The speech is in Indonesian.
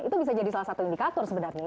itu bisa jadi salah satu indikator sebenarnya